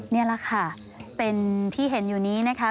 นี่แหละค่ะเป็นที่เห็นอยู่นี้นะคะ